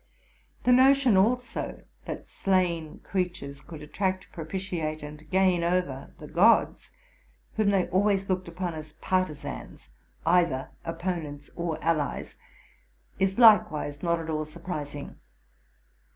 The notion also that slain crea tures could attract, propitiate, and gain over the gods, whom they always looked upon as partisans, either oppo nents or allies, is likewise not at all surprising.